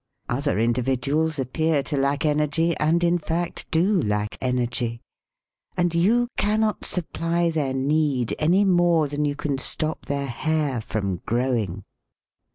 Other individuals appear to lack energy, and, in fact, do lack energy. And you cannot supply their need any more than you can stop their hair from growing.